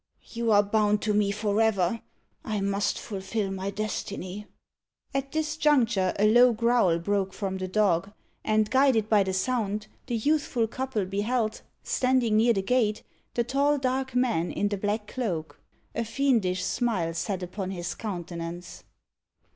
You are bound to me for ever. I must fulfil my destiny." At this juncture a low growl broke from the dog, and, guided by the sound, the youthful couple beheld, standing near the gate, the tall dark man in the black cloak. A fiendish smile sat upon his countenance.